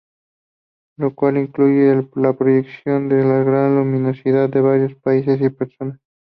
La cual incluye la proyección con gran luminosidad de varios países y personas.